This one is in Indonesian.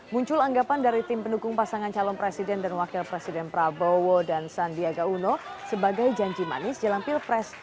muncul anggapan dari tim pendukung pasangan calon presiden dan wakil presiden prabowo dan sandiaga uno sebagai janji manis jalan pilpres